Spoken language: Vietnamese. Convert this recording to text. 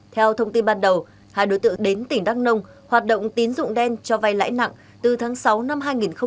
theo thông tin ban đầu hai đối tượng đến tỉnh đắk nông hoạt động tín dụng đen cho vay lãi nặng từ tháng sáu năm hai nghìn một mươi chín